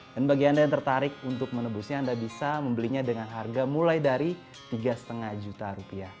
dan bagi anda yang tertarik untuk menebusnya anda bisa membelinya dengan harga mulai dari tiga lima juta rupiah